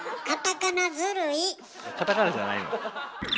カタカナじゃないの？